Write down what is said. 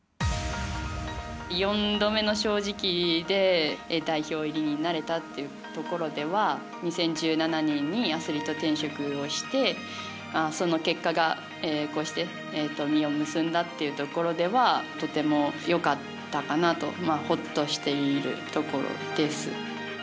４度目の正直で代表入りになれたってところは２０１７年にアスリート転職をしてその結果が、こうして実を結んだというところではとてもよかったかなとほっとしているところです。